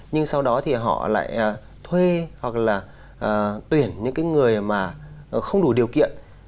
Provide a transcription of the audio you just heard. nhưng sau đó thì họ lại thuê hoặc là tuyển những cái người mà không đủ điều kiện